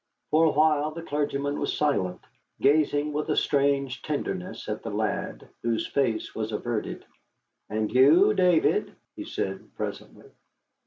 For a while the clergyman was silent, gazing with a strange tenderness at the lad, whose face was averted. "And you, David?" he said presently.